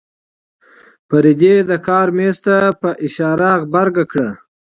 فريدې د کار مېز ته په اشاره غبرګه کړه.